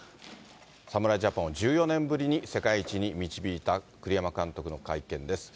侍ジャパンを１４年ぶりに世界一に導いた栗山監督の会見です。